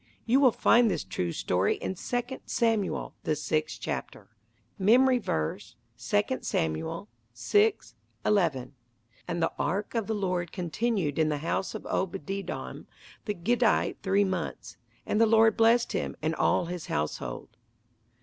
You will find this true story in Second Samuel, the sixth chapter. Memory Verse, II Samuel 6: 11 "And the ark of the Lord continued in the house of Obededom the Gittite three months; and the Lord blessed him, and all his household."